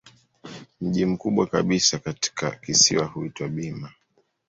Mji mkubwa kabisa kisiwani huitwa Bima.